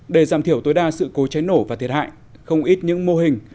để giảm thiểu tối đa sự cố cháy nổ và thiệt hại không ít những mô hình